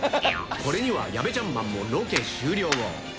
これにはヤベチャンマンもロケ終了後。